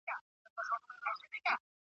څه زلمۍ شپې وې شرنګ د پایلو ,